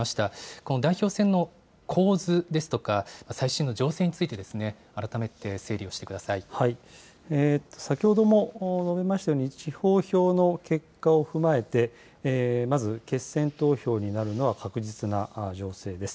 この代表選の構図ですとか、最新の情勢について、先ほども述べましたように、地方票の結果を踏まえて、まず決選投票になるのは確実な情勢です。